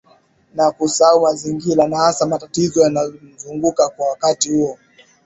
na kusahau mazingira na hasa matatizo yanayomzunguka kwa wakati huo